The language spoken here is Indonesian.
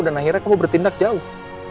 dan akhirnya kamu bertindak jauh